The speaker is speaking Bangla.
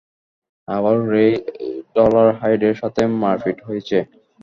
আবারো রেই ডলারহাইডের সাথে মারপিট হয়েছে?